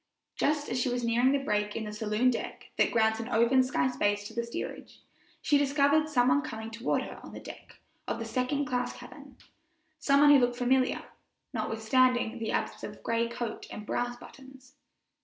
Just as she was nearing the break in the saloon deck that grants an open sky space to the steerage, she discovered some one coming toward her on the deck of the second class cabin some one who looked familiar, notwithstanding the absence of gray coat and brass buttons.